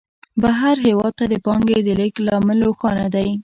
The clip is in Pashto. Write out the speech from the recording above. بهر هېواد ته د پانګې د لېږد لامل روښانه دی